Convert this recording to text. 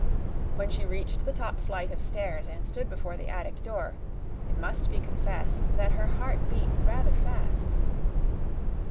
When she reached the top flight of stairs and stood before the attic door, it must be confessed that her heart beat rather fast.